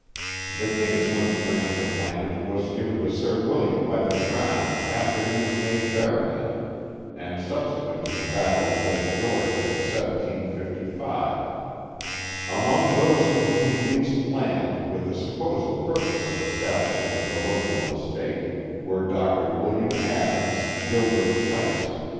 The Kingsland grant of land was given to Sir William by the Crown after he was made Baronet and subse quent to the battle of Lake George in 1755. Among those to whom he leased land with the supposed purpose of establish ing a baronial estate, were Dr. William Adams, Gilbert Tice.